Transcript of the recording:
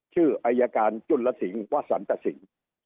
ชื่ออายการจุลสิงห์วสันตสิน